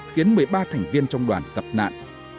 khiến một mươi ba thành viên trong đoàn gặp nạn